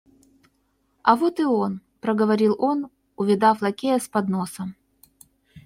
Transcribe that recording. А, вот и он, — проговорил он, увидав лакея с подносом.